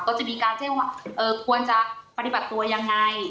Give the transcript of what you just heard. ก็จะมีการแจ้งว่าควรจะปฏิบัติตัวยังไง